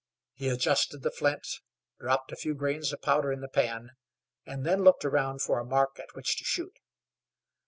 He adjusted the flint, dropped a few grains of powder in the pan, and then looked around for a mark at which to shoot.